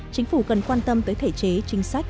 chính phủ cần quan tâm tới thể chế chính sách